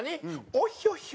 オッヒョッヒョ？